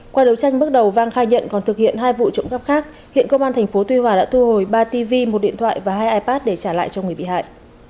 qua đấu tranh bước đầu vang khai nhận còn thực hiện hai vụ trộm cắp khác hiện công an tp tuy hòa đã thu hồi ba tv một điện thoại và hai ipad để trả lại cho người bị hại